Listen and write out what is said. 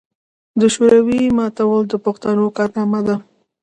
د شوروي ماتول د پښتنو کارنامه ده.